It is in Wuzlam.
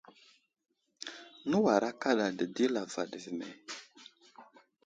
Nəwara kaɗa dədi lavaɗ ve me.